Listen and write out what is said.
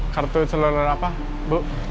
kartu seluler apa bu